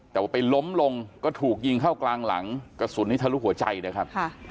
แต่ว่าไปล้มลงก็ถูกยิงเข้ากลางหลังกระสุนนี้ทะลุหัวใจนะครับ